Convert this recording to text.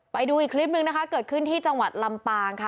ไปดูอีกคลิปนึงนะคะเกิดขึ้นที่จังหวัดลำปางค่ะ